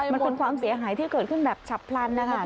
มันเป็นความเสียหายที่เกิดขึ้นแบบฉับพลันนะคะ